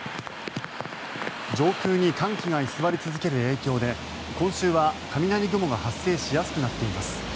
上空に寒気が居座り続ける影響で今週は雷雲が発生しやすくなっています。